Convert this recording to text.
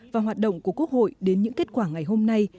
và hoạt động của quốc hội đến những kết quả ngày hôm nay